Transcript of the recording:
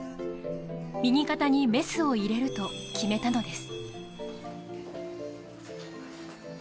右肩にメスを入れると決めたのです。